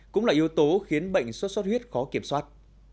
cũng là yếu tố khiến bệnh sốt sốt huyết khó kiểm soát